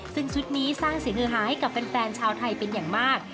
ซึ่งชุดนี้สร้างเสียงฮือหาให้กับแฟนชาวไทยเป็นอย่างมาก